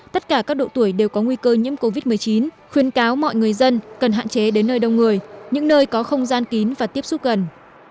tất cả các độ tuổi đều có nguy cơ nhiễm covid một mươi chín khuyên cáo mọi người dân cần hạn chế đến nơi đông người những nơi có không gian kín và tiếp xúc gần